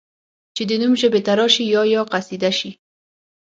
چي دي نوم ژبي ته راسي یا یا قصیده سي